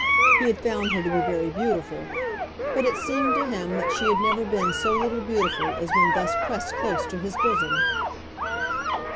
He had found her to be very beautiful; but it seemed to him that she had never been so little beautiful as when thus pressed close to his bosom.